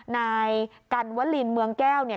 นายกันวลินเมืองแก้วเนี่ย